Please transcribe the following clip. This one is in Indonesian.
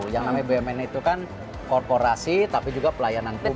yang namanya bumn itu kan korporasi tapi juga pelayanan publik